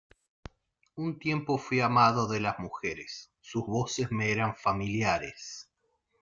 un tiempo fuí amado de las mujeres, sus voces me eran familiares: